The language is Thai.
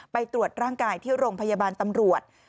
ไปตรวจร่างกายที่โรงพยาบาลตำรวจ